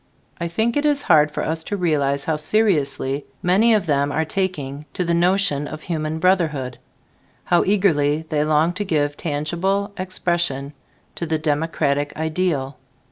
I think it is hard for us to realize how seriously many of them are taking to the notion of human brotherhood, how eagerly they long to give tangible expression to the democratic ideal.